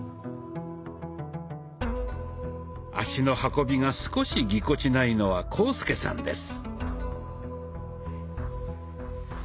足の運びが少しぎこちないのは浩介さんです。